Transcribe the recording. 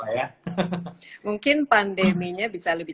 ya mungkin pandeminya bisa lebih